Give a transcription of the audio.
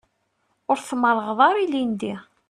Ur tmerrɣeḍ ara ilindi.